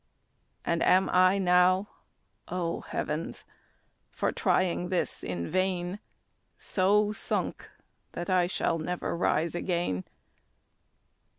And am I now, O heavens! for trying this in vain, So sunk that I shall never rise again?